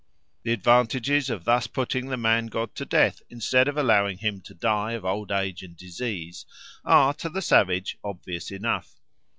The advantages of thus putting the man god to death instead of allowing him to die of old age and disease are, to the savage, obvious enough.